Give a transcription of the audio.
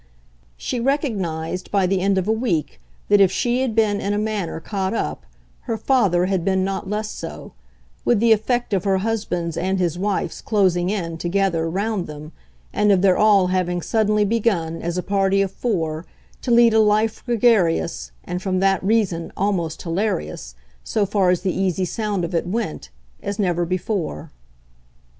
She recognised by the end of a week that if she had been in a manner caught up her father had been not less so with the effect of her husband's and his wife's closing in, together, round them, and of their all having suddenly begun, as a party of four, to lead a life gregarious, and from that reason almost hilarious, so far as the easy sound of it went, as never before.